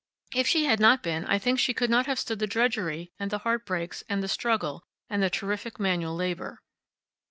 If she had not been I think she could not have stood the drudgery, and the heartbreaks, and the struggle, and the terrific manual labor.